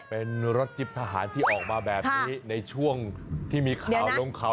เป็นรถจิ๊บทหารที่ออกมาแบบนี้ในช่วงที่มีข่าวลงข่าว